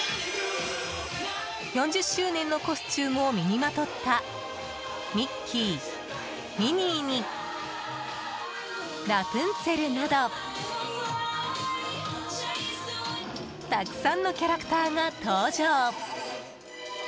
４０周年のコスチュームを身にまとったミッキー、ミニーにラプンツェルなどたくさんのキャラクターが登場！